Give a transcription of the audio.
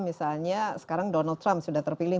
misalnya sekarang donald trump sudah terpilih